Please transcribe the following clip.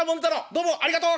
どうもありがとう！」。